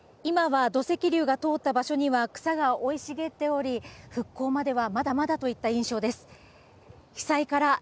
今は土石流が通った場所には草がおい茂っており、復興までは、まだまだといった印象です。